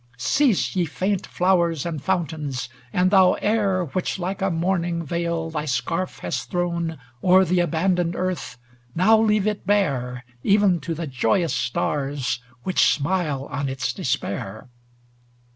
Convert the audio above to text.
Cease, ye faint flowers and fountains, and thou Air, Which like a mourning veil thy scarf hadst thrown O'er the abandoned Earth, now leave it bare Even to the joyous stars which smile on its despair